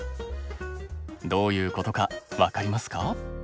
どういうことか分かりますか？